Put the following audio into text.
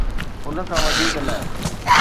ان کان وڌيڪ نه.